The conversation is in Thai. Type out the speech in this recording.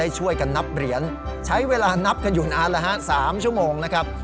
ช่วยกันนับเหรียญใช้เวลานับกันอยู่นานแล้วฮะ๓ชั่วโมงนะครับ